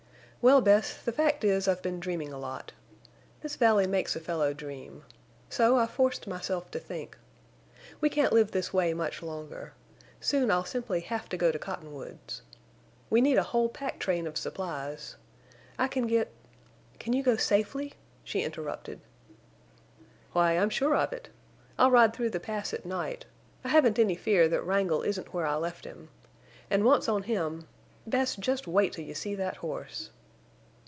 "Well, Bess, the fact is I've been dreaming a lot. This valley makes a fellow dream. So I forced myself to think. We can't live this way much longer. Soon I'll simply have to go to Cottonwoods. We need a whole pack train of supplies. I can get—" "Can you go safely?" she interrupted. "Why, I'm sure of it. I'll ride through the Pass at night. I haven't any fear that Wrangle isn't where I left him. And once on him—Bess, just wait till you see that horse!"